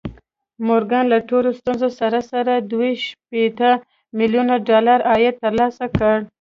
مورګان له ټولو ستونزو سره سره دوه شپېته ميليونه ډالر عايد ترلاسه کړ.